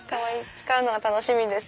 使うのが楽しみです。